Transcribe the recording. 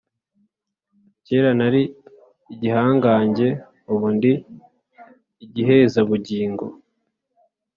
Kera nari igihangange. Ubu ndi igihezabugingo,